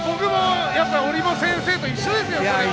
折茂先生と一緒ですよ。